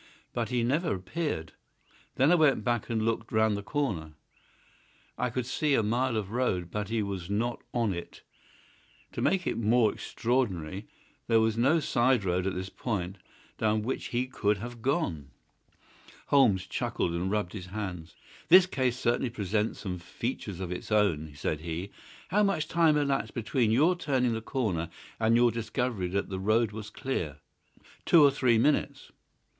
But he never appeared. Then I went back and looked round the corner. I could see a mile of road, but he was not on it. To make it the more extraordinary, there was no side road at this point down which he could have gone." Holmes chuckled and rubbed his hands. "This case certainly presents some features of its own," said he. "How much time elapsed between your turning the corner and your discovery that the road was clear?" "Two or three minutes."